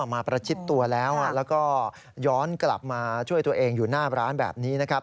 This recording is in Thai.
มาประชิดตัวแล้วแล้วก็ย้อนกลับมาช่วยตัวเองอยู่หน้าร้านแบบนี้นะครับ